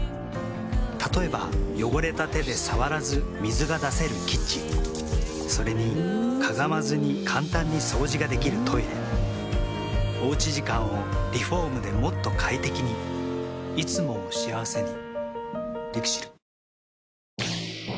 例えば汚れた手で触らず水が出せるキッチンそれにかがまずに簡単に掃除ができるトイレおうち時間をリフォームでもっと快適にいつもを幸せにＬＩＸＩＬ。